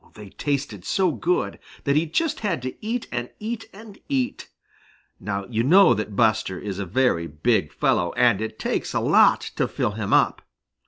They tasted so good that he just had to eat and eat and eat. Now you know that Buster is a very big fellow, and it takes a lot to fill him up.